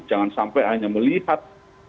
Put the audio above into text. jangan sampai hanya melihat